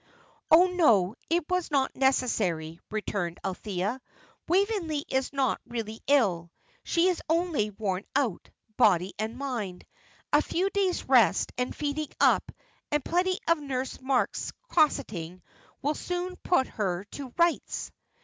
"Oh, no, it was not necessary," returned Althea. "Waveney is not really ill. She is only worn out, body and mind. A few days' rest and feeding up, and plenty of Nurse Marks' cosseting will soon put her to rights.